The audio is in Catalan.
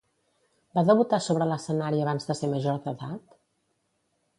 Va debutar sobre l'escenari abans de ser major d'edat?